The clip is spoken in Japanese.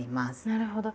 なるほど。